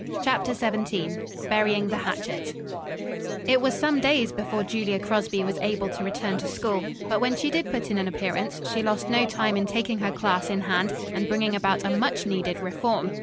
CHAPTER XVII BURYING THE HATCHET It was some days before Julia Crosby was able to return to school, but when she did put in an appearance, she lost no time in taking her class in hand and bringing about a much needed reform.